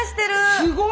すごい！